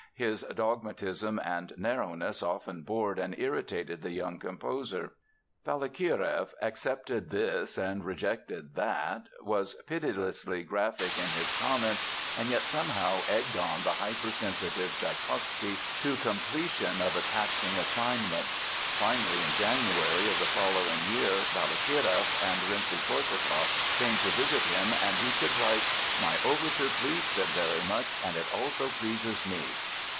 His dogmatism and narrowness often bored and irritated the young composer. Balakireff accepted this and rejected that, was pitilessly graphic in his comments, and yet somehow egged on the hypersensitive Tschaikowsky to completion of a taxing assignment. Finally, in January of the following year, Balakireff and Rimsky Korsakoff came to visit him and he could write: "My overture pleased them very much and it also pleases me."